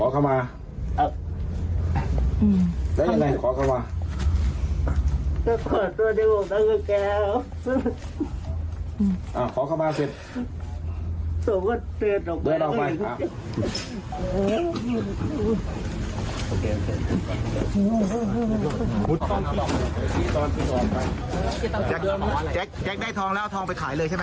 ขอเข้าไป